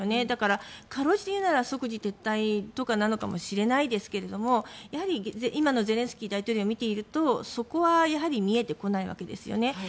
だから、かろうじて言うなら即時撤退とかかもしれないですがやはり今のゼレンスキー大統領を見ているとそこは見えてこないわけですよね。